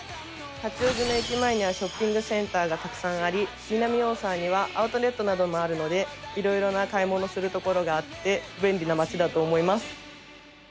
八王子の駅前にはショッピングセンターがたくさんあり南大沢にはアウトレットなどもあるのでいろいろな買い物するところがあって便利な街だと思います。